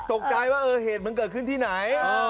ตกใจว่าเออเหตุมันเกิดขึ้นที่ไหน